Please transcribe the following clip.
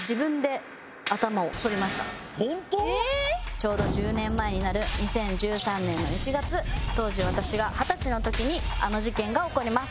ちょうど１０年前になる２０１３年の１月当時私が二十歳の時にあの事件が起こります。